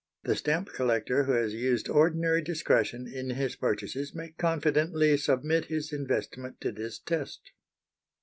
The stamp collector who has used ordinary discretion in his purchases may confidently submit his investment to this test.